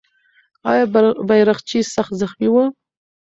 آیا بیرغچی سخت زخمي و؟